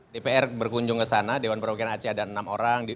dpr berkunjung ke sana dewan perwakilan aceh ada enam orang